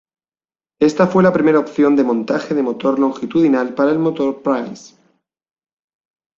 Esta fue la primera opción de montaje de motor longitudinal para el motor Prince.